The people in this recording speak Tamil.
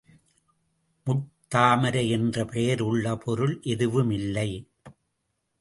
முட்டாட்டாமரை என்ற பெயர் உள்ள பொருள் எதுவும் இல்லை.